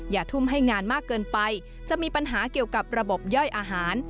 ทุ่มให้งานมากเกินไปจะมีปัญหาเกี่ยวกับระบบย่อยอาหาร